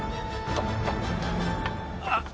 あっ！